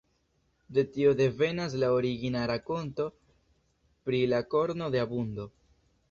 De tio devenas la origina rakonto pri la korno de abundo.